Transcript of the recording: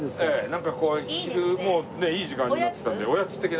なんかこう昼もうねいい時間になってきたんで食べたい。